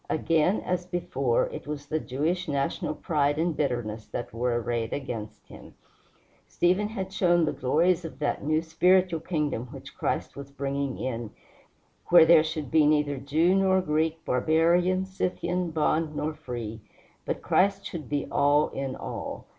Again, as before, it was the Jewish national pride and bitterness that were arrayed against him. Stephen had shown the glories of that new spiritual kingdom which Christ was bringing in, where there should be neither Jew nor Greek, barbarian, Scythian, bond nor free, but Christ should be all in all.